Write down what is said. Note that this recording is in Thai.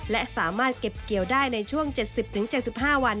และสามารถเก็บเกี่ยวได้ในช่วง๗๐๗๕วัน